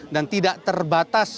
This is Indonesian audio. dan tidak terbatas